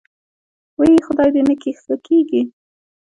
وۍ خدای دې نکي ښه کېږې.